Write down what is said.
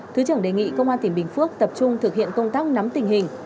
thứ trưởng đề nghị công an tỉnh bình phước tập trung thực hiện công tác nắm tình hình